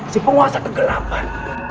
si penguasa kegelapan